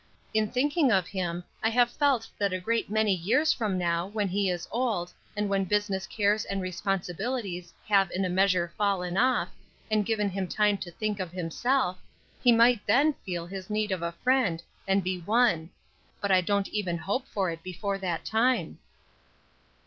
In thinking of him, I have felt that a great many years from now, when he is old, and when business cares and responsibilities have in a measure fallen off, and given him time to think of himself, he might then feel his need of a Friend and be won; but I don't even hope for it before that time."